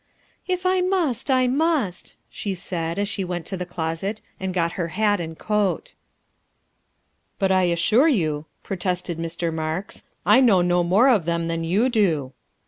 " If I must, I must," she said as she went to the closet and got her hat and coat. " But I assure you," protested Mr. Marks, " I know no more of them than you do."